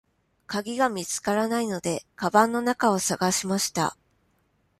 かぎが見つからないので、かばんの中を探しました。